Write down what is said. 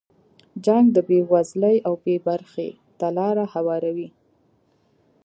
جنګ د بې وزلۍ او بې برخې ته لاره هواروي.